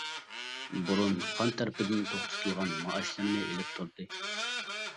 بۇرۇن خان تەرىپىدىن توختىتىلغان مائاشلىرىنى ئېلىپ تۇردى.